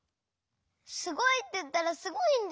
すごいっていったらすごいんだよ！